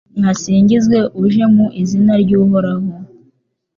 Nihasingizwe uje mu izina ry’Uhoraho